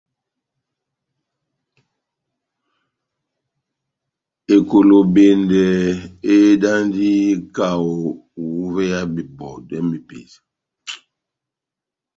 Ekolobendɛ edandi kaho uvé ya mepesa.